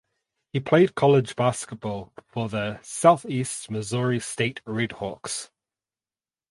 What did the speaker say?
He played college basketball for the Southeast Missouri State Redhawks.